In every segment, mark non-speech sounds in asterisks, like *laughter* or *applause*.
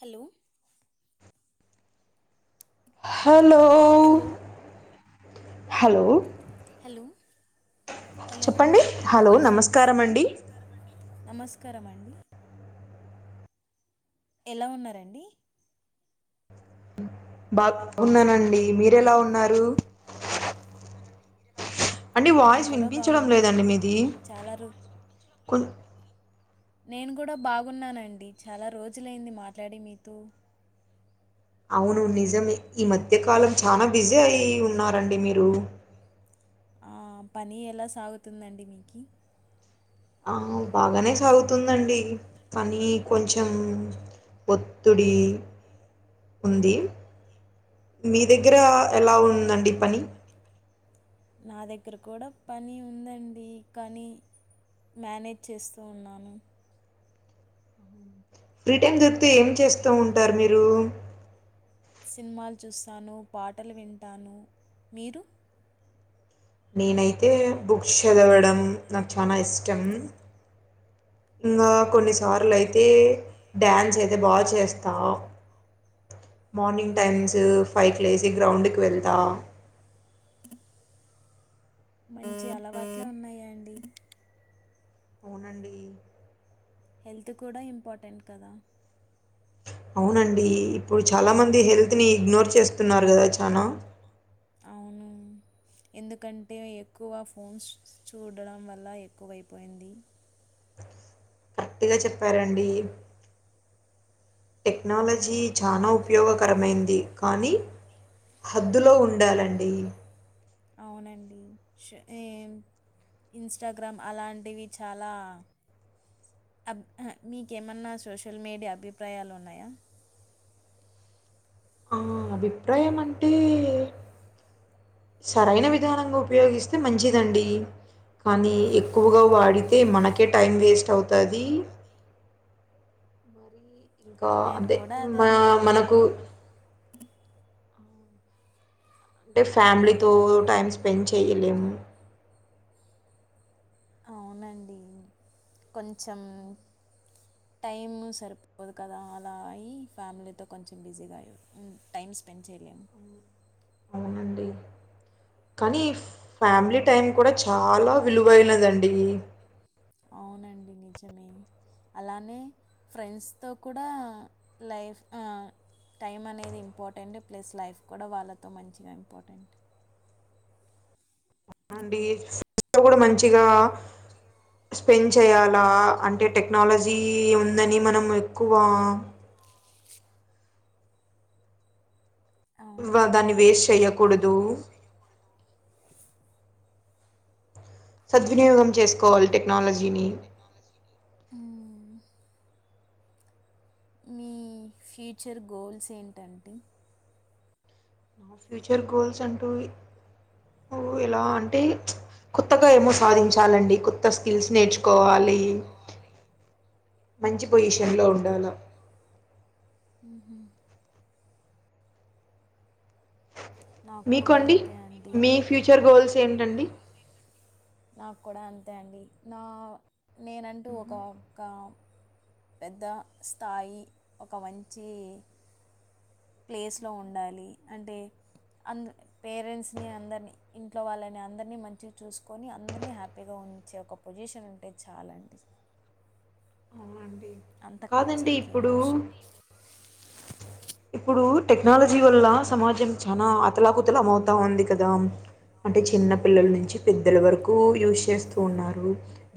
Hello hello hello hello hello hello అండి చెప్పండి నా హలో వాయిస్ నమస్కారం వినిపిస్తందా అండి నమస్కారం అండి ఎలా ఉన్నారండి బాప్ గున్నానండి మీరేలా ఉన్నారు అండి నేను వాయిస్ కూడా వినిపించడం బాగున్నానండి చాలా రొ కుల్ నేను కూడా బాగున్నానండి చాలా రోజులైంది మాట్లాడి మీతో అవును నిజమే ఈ మధ్యకాలం చానా బిజీ అయి ఉన్నారండి మీరు ఆ పని ఎలా సాగుతుందండి మీకి ఆ బాగానే సాగుతుందండి పనీ కొంచెం ఒత్తిడి ఉంది మీ దగ్గర ఎలా ఉందండి పని నా దగ్గర కూడా పని ఉందండి కనీ మ్యానేజ్ చేస్తూ ఉన్నాను ఫ్రీ టైమ్ దొరికితే ఏం చేస్తూ ఉంటారు మీరు సిన్మాలు చూస్తాను పాటలు వింటాను మీరు నేనైతే బుక్స్ చదవడం నాకు చానా ఇష్టం ఇంగా కొన్నిసార్లు అయితే డ్యాన్స్ అయితే బాగా చేస్తా మార్నింగ్ టైమ్స్ ఫైవ్ కి లేసి గ్రౌండ్ కి వెళ్తా మంచి అలవాట్లే ఉన్నాయా అండి అవునండి హెల్త్ కూడా ఇంపార్టెంట్ కదా అవునండి ఇప్పుడు చాలా మంది హెల్త్ ని ఇగ్నోర్ చేస్తున్నారు కదా చానా అవును ఎందుకంటే ఎక్కువ ఫోన్స్ చూడడం వల్ల ఎక్కువైపోయింది కర్క్ట్ గా చెప్పారండి టెక్నాలజీ చానా ఉపయోగకరమైంది కానీ హద్దులో ఉండాలండి అవునండి షా ఏం ఇంస్టాగ్రామ్ అలాంటివి చాలా అబ్ హ మీకేమన్నా సోషల్ మీడియా అభిప్రాయాలున్నాయా ఆ బిట్టు ఏమంటే? సరైన విధానంగా ఉపయోగిస్తే మంచిదండి. కానీ ఎక్కువగా వాడితే మనకే టైం వేస్ట్ అవుతాది. మరి ఇంకా నేను అదే కూడా మా మనకు అనుకున్నానండి అంటే హలో ఫ్యామిలీతో టైం స్పెండ్ చేయలేము. అవునండి కొంచెం టైమ్ సరిపోదు కదా అలా అయి ఫ్యామిలీతో కొంచెం బిజీగా అయి మ్ టైమ్ స్పెండ్ చేయలేము. హ్మ్. అవునండి. కానీ ఫ్యామిలీ టైం కూడా చాలా విలువైనదండి. అవునండి నిజమే అలానే ఫ్రెండ్స్ తో కూడా లైఫ్ ఆ టైం అనేది ఇంపార్టెంట్ ప్లస్ లైఫ్ కూడా వాళ్ళతో మంచిగా ఇంపార్టెంట్ అవుఅండి ఇంత కూడా మంచిగా స్పెండ్ చేయాలా అంటే టెక్నాలజీ ఉందని మనం ఎక్కువ వ అవునండి. దాన్ని వేస్ట్ చెయ్యకూడదు. సద్వినియోగం చేసుకోవాలి టెక్నాలజీని హ్మ్. మీ ఫ్యూచర్ గోల్స్ ఏంటంటే? మా ఫ్యూచర్ గోల్స్ అంటంటూ ఉ ఎలా అంటే కొత్తగా ఏమో సాధించాలండి కొత్త స్కిల్స్ నేర్చుకోవాలి మంచి పొజిషన్ లో ఉండాల ఉహ నాకు మీకు కూడా అండి అంతే అండి. మీ ఫ్యూచర్ గోల్స్ ఏంటండి? నాకు కూడా అంతే అండి నా నేనంటూ ఒక మ్మ్. కా పెద్ద స్థాయి ఒక మంచి ప్లేస్లో ఉండాలి అంటే అంద పేరెంట్స్ని అందరిని ఇంట్లో వాళ్ళని అందరినీ మంచిగా చూసుకొని అందరినీ హ్యాపీగా ఉం చే పొజిషన్ ఉంటే చాలండి అవునండి అంతకుమించి కాదండి ఇంకేం ఇప్పుడు అవసరం లేదు ఇప్పుడు టెక్నాలజీ వల్ల సమాజం చానా అతలాకుతలమవుతా ఉంది కదా అంటే చిన్న పిల్లల అవునండి నుంచి పెద్దల వరకు యూజ్ చేస్తూ ఉన్నారు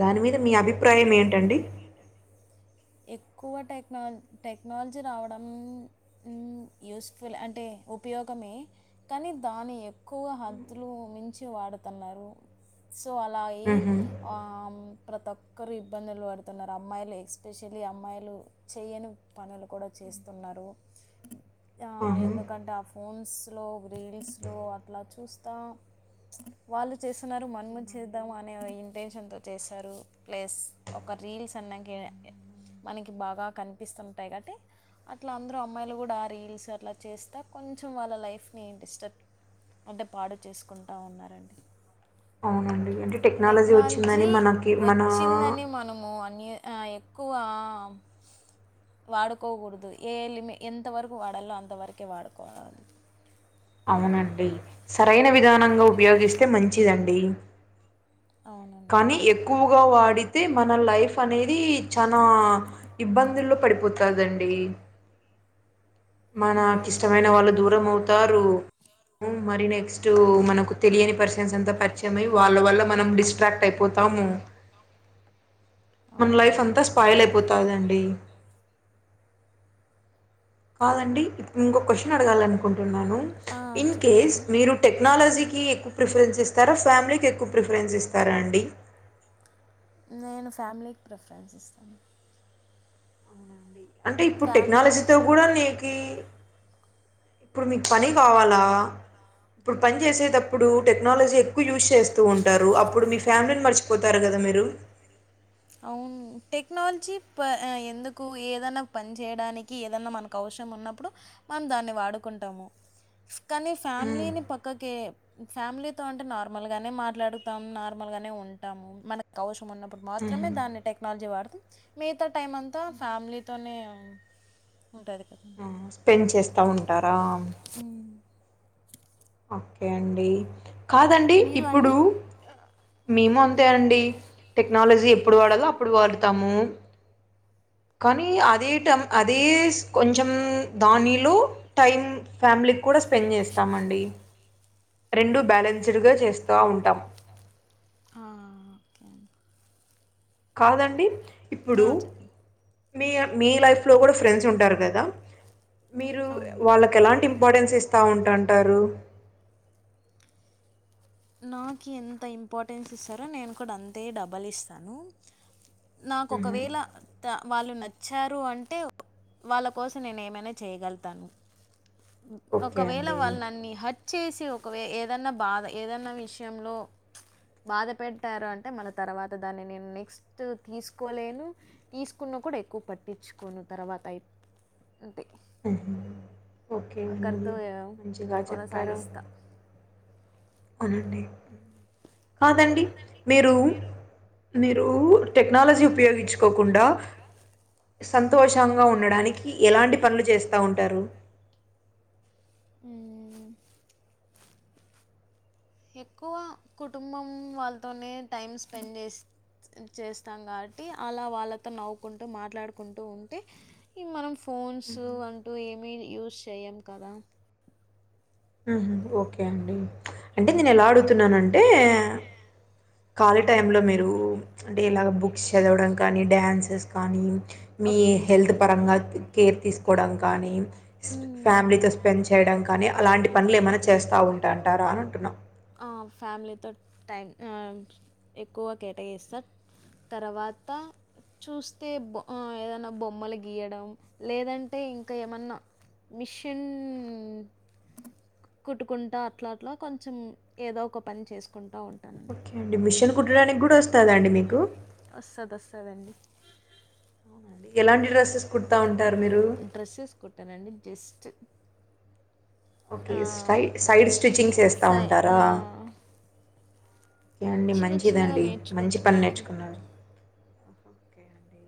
దాని మీద మీ అభిప్రాయం ఏంటండీ? కువ టై టెక్నాలజీ రావడం హు హు యూసఫుల్ అంటే ఉపయో గమే కానీ దాని ఎక్కువ మ్మ్. హద్దులు మించి వాడుతున్నారు. సో అలా ఆయి మ్మ్. ఆమ్ ప్రతి ఒక్కరు ఇబ్బందులు పడుతున్నారు అమ్మాయిలు ఎక్స్ ఎస్పెషలీ అమ్మాయిలు చేయని పనులు కూడా చేస్తున్నారు. యా ఆహా. ఎందుకంటే ఆ ఫోన్స్లో రీల్స్లో అట్లా చూస్తా వాళ్ళు చేస్తున్నారు మన ముంచి చేద్దాం అనే ఇంటెన్షన్ తో చేస్తారు ప్లస్ ఒక రీల్స్ అన్నాకె అవునండి. మనకి బాగా కనిపిస్తుంటాయి కాబట్టి అట్లా అందరూ అమ్మాయిలు కూడా ఆ రీల్స్ అట్లా చేస్తా కొంచెం వాళ్ళ లైఫ్ ని డిస్టర్బ్ అంటే పాడు చేసుకుంటా ఉన్నారండి. అవునండి. అంటే టెక్నాలజీ వచ్చిందని మనకి మన వచ్చిందని మనము అని ఆయ్ క్కువ వాడుకోకూడదు ఏ లిమిఎంతవరకు వాడాలో అంతవరకే వాడుకోవాలి. అవునండి సరైన విధానంగా ఉపయోగిస్తే మంచిదండి. అవునండి ఎక్కువ వాడితే మన లైఫ్ అనేది చనా ఇబ్బందుల్లో పడిపోతదండి అ *inaudible* మన కిష్టమైన మ్మ్. వాళ్ళు దూరం అవుతారు హు మరి నెక్స్ట్ మనకు తెలియని పర్షన్స్ అంత పరిచయమై వాళ్ళ వల్ల మనం డిస్ట్రాక్ట్ అయిపోతాం తము *inaudible* *inaudible* మన లైఫ్ అవునవును అంతా స్పాయిల్ అయిపోతాదండి కాదండి ఇంగొక క్వశ్చన్ అడగాలనుకుంటున్నాను ఆ, ఇన్ కేస్ చెప్పండి మీరు టెక్నాలజీకి ఎక్కు ప్రిఫరెన్స్ ఇస్తారా ఫ్యామిలీ కి ఎక్కువ ప్రిఫరెన్స్ ఇస్తారా అండి నేను ఫ్యామిలీకి ప్రిఫరెన్స్ ఇస్తాను అవునండి. అంటే ఇప్పుడు ఫ్యామిలీ టెక్నాలజీతో కూడా నీకి ఇప్పుడు మీకు పని కావాలా ఇప్పుడు పని చేసేటప్పుడు టెక్నాలజీ ఎక్కువ యూజ్ చేస్తూ ఉంటారు అప్పుడు మీ ఫ్యామిలీని మర్చిపోతారు కదా మీరు మీరు అవును టెక్నాలజీ ప ఎందుకు ఏదన్నా పని చేేయడానికి ఏదన్నా మనకు అవ్ స్రం ఉన్నప్పుడు మనం దాన్ని వాడుకుంటాము కానీ హ్మ్. ఫ్యామిలీని పక్కకే ఫ్యామిలీతో అంటే నార్మల్ గానే మాట్లాడుతాం నార్మల్ నార్మల్ గానే ఉంటాము మన అవస్రం ఉన్నప్పుడు మాత్రం హుహు. మాత్రమే దాన్ని టెక్నాలజీ వాడుతాం మిగతా టైం అంతా ఫ్యామిలీతోనే అ ఉంటాది కద ఆ! స్పెండ్ చేస్తా ఉంటారా హ్మ్. ఓకే అండి కాదండి మీరు ఇప్పుడు అండి? మేము అంతే అండి టెక్నాలజీ ఎప్పుడు వాడలో అప్పుడు వాడతాము కానీ అదే టైం అదే కొంచెం దానిలో టైం ఫ్యామిలీ కూడా స్పెండ్ చేస్తామండి రెండు బ్యాలెన్స్డుగా చేస్తా ఉంటాం ఆ! ఓకే అండి. కాదండి ఆ! ఇప్పుడు చెప్పండి. మీ మీ లైఫ్ లో కూడా ఫ్రెండ్స్ ఉంటారు కదా మీరు అవును. వాళ్ళకి ఎలాంటి ఇంపార్టెన్స్ ఇస్తా ఉంటంటారు నాకు ఎంత ఇంపార్టెన్స్ ఇస్తారో నేను కూడా అంతే డబల్ ఇస్తాను నాకు ఒకవేళ త వాళ్ళు నచ్చారు అంటే వాళ్ళ కోసం నేను ఏమైనా చేయగలుగుతాను ఓకే ఒకవేళ అండి. వాల్లు న్నన్ని హట్ చేసి ఒకవే ఏదన్నా బాధ ఏదన్నా విషయంలో బాధపెట్టారు అంటే మన తర్వాత దాన్ని నేను నెక్స్ట్ తీసుకోలేను తీసుకు ను కూడా ఎక్కువ పట్టించుకోను తర్వాత అయి అంతే ఉ ఓకే అండి అక్కడితో ఆ, మంచిగా చెప్పారు కొనసాగిస్తా అవునండి కాదండి మీరు మీరూ టెక్నాలజీ ఉపయోగించుకోకుండా సంతోషంగా ఉండడానికి ఎలాంటి పనులు చేస్తా ఉంటారు ఆ ఎక్కువ కుటుంబం వాళ్ళతోనే టైం స్పెండ్ చేసి చేస్తాం కాబట్టి అలా వాళ్ళతో నవ్వుకుంటూ మాట్లాడుకుంటూ ఉంటే ఈ మనం ఫోన్స్ హుహు. అంటూ ఏమీ యూస్ చేయ్యం కదా ఊ ఓకే అండి అంటే నేను ఎలా అడుగుతున్నానంటే ఖాళీ టైంలో మీరు అంటే ఇలాగ బుక్స్ చదవడం కానీ డ్యాన్సెస్ కానీ మీ ఓకే హెల్త్ పరంగా కేర్ తీసుకోవడం కానీ ఫ్యామిలీతో స్పెండ్ చేయడం కానీ అలాంటి అలాంటి పనులేమైనా పనులు ఏమైనా ఉంటా చేస్తా అంటారా అనంటున్నా. ఉంటారా ఆ ఫ్యామిలీతో టైం ఎక్కువ కేటాయిస్తా తర్వాత చూస్తే బో ఏదన్నా బొమ్మలు గీయడం లేదంటే ఇంకా ఏమన్నా మిషిన్ కుట్టుకుంటా అట్లా అట్లా కొంచెం ఏదో ఒక పని చేసుకుంటా ఉంట ఓకే అండి మిషన్ కుట్టడానికి కూడా వస్తుందండి మీకు వస్తాడండి అవునండి. ఎలాంటి డ్రెసెస్ కుడతా ఉంటారు మీరు? డ్రెస్సెస్ కొట్టానండి జస్ట్ ఆ, ఓకే సై సైడ్ స్టిచ్చింగ్స్ వేస్తా సై ఆ, ఉంటారా ఓకే అండి చిన్న చిన్నగా మంచిదండి మంచి పని నేర్చుకుంటున్నా అండి నేర్చుకున్నారు అండి.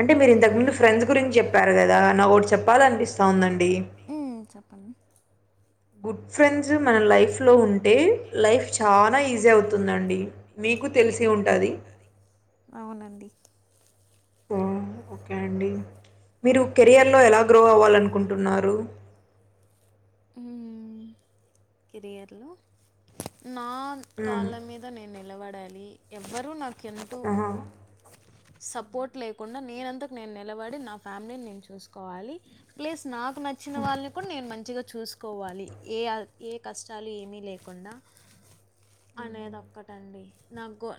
అంటే మీరు ఇంతకుముందు ఫ్రెండ్స్ గురించి చెప్పారు కదా నా ఒకటి చెప్పాల అనిపిస్తా ఉందండి మ్మ్, చెప్పండి గుడ్ ఫ్రెండ్ మన లైఫ్ లో ఉంటే లైఫ్ చాలా ఈజీ అవుతుందండి మీకు తెలిసే ఉంటుంది అవునండి ఉమ్ ఓకే అండి మీరు కెరియర్లో ఎలా గ్రో అవ్వాలనుకుంటున్నారు కెరియర్లు నా హ్మ్. కాళ్ళ మీద నేను నిలబడ ఉండాలి ఎవరు నాకు ఎంతో ఆహా! సపోర్ట్ లేకుండా ఓకే. నేనందుకు నేను నిలబడి నా ఫ్యామిలీని నేను చూసుకోవాలి ప్లస్ నాకు నచ్చిన హ్మ్. వాళ్ళని కూడా నేను మంచిగా చూసుకోవాలి ఏ ఏ కష్టాలు ఏమీ లేకుండా హుహు. అనేదిక్కటండి న గో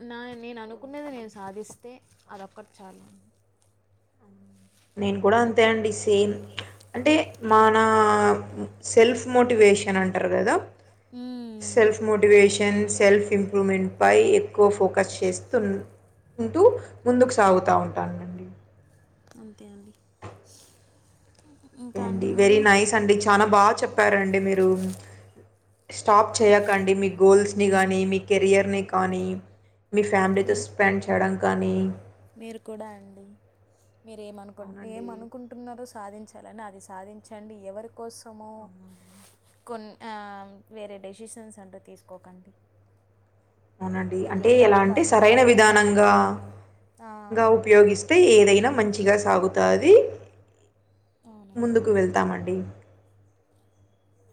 నేను అనుకున్నది ఓకే. నేను సాధిస్తే అదొక్కటి చాలు నేను కూడా అంతే అండి సేమ్ అంటే మన సెల్ఫ్ మోటివేషన్ అంటారు కదా మ్మ్. సెల్ఫ్ మోటివేషన్ సెల్ఫ్ ఇంప్రూవ్మెంట్ పై ఎక్కువ ఫోకస్ చేస్తు ఉంటూ ముందుకు సాగుతా ఉంటాన అండి అంతే అండి ఇంకా అండి వెరీ మీరు నైస్ అండి చాలా బాగా చెప్పారండి మీరు స్టాప్ చేయకండి మీ గోల్స్ని కానీ మీ కెరియర్ని కానీ మీ ఫ్యామిలీతో మీరు స్పెండ్ చేయడం కానీ మీరు కూడా అండి మీరు ఏమకు అవునండి. ఏనుకుంటున్నారో సాధించాలని అది సాధించండి ఎవరి కోసమ అవును. కొన్ని వేరే డెసిషన్స్ అంటూ తీసుకోకండి అవునండి అంటే మీకేం ఎలా కావాలో అంటే అది సరైన మాత్రమే విధానంగా ఆ, గా ఉపయోగిస్తే ఏదైనా మంచిగా సా అతాది అవునండి ముందుకు వెళ్తామండి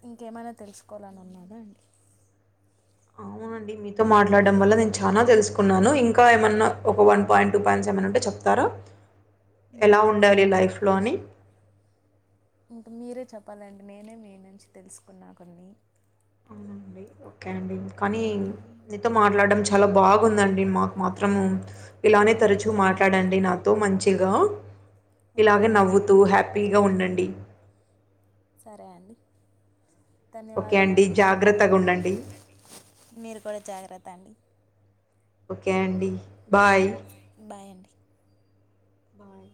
ఇంకేమైనా తెలుసుకోవాలని ఉన్నాదా అవునండి మీతో మాట్లాడడం వల్ల నేను చాలా తెలుసుకున్నాను ఇంకా ఏమన్నా ఒక వన్ పాయింట్ టూ పాయింట్స్ ఎమన్నుంటే చెప్తారా ఎలా ఇంకా ఉండాలి లైఫ్ లో అని ఇంకా మీరే చెప్పాలండి నేనే మీ నుంచి తెలుసుకున్నా కొన్ని అవునండి ఓకే అండి కానీ నీతో మాట్లాడం చాలా బాగుందండి మాకు మాత్రం ఇలానే మాకు తరచు మాట్ కూడా అండి మాట్లాడండి నాతో మంచిగా ఓకే ఇలాగే అండి నవ్వుతూ హ్యాపీగా ఉండండి సరే అండి ఓకే అండి. ధన్యవాదాలండి జాగ్రత్తగుండండి. మీరు కూడా జాగ్రత్త అండి ఒకె అండి బాయ్. బాయండి బాయ్.